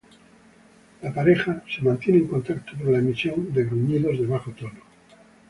La pareja se mantiene en contacto por la emisión de gruñidos de bajo tono.